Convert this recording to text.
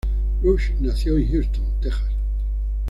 Rush nació en Houston, Texas.